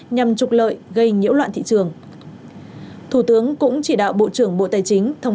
nhằm trục lợi gây nhiễu loạn thị trường